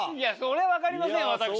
それは分かりませんよ。